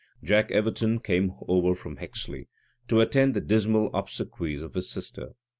Jack Everton came over from Hexley to attend the dismal obsequies of his sister.